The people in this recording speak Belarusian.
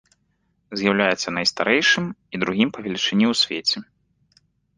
З'яўляецца найстарэйшым і другім па велічыні ў свеце.